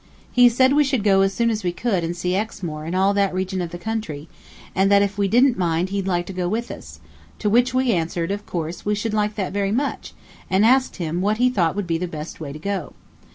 He said we should go as soon as we could and see Exmoor and all that region of country, and that if we didn't mind he'd like to go with us; to which we answered, of course, we should like that very much, and asked him what he thought would be the best way to go.